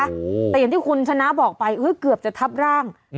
แต่อย่างที่คุณชนะบอกไปเกือบจะทับร่าง